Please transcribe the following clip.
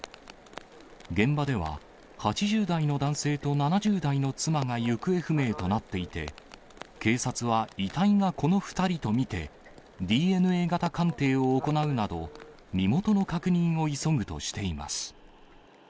現場では、８０代の男性と７０代の妻が行方不明となっていて、警察は遺体がこの２人と見て、ＤＮＡ型鑑定を行うなど、身元の確認を急ぐとしています。